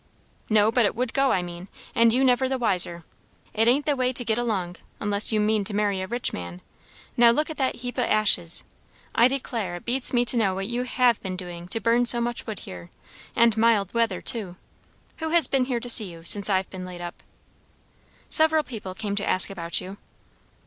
"No, but it would go, I mean, and you never the wiser. It ain't the way to get along, unless you mean to marry a rich man. Now look at that heap o' ashes! I declare, it beats me to know what you have been doing to burn so much wood here; and mild weather, too. Who has been here to see you, since I've been laid up?" "Several people came to ask about you."